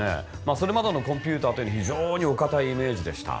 それまでのコンピューターというのは非常にお堅いイメージでした。